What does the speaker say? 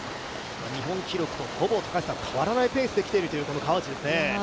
日本記録とほぼ変わらないペースできている川内ですね。